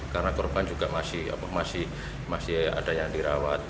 karena korban juga masih ada yang dirawat